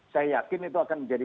saya yakin itu akan menjadi